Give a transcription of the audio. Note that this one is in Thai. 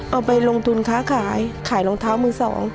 เอาไปลงทุนค้าขายขายรองเท้ามือสอง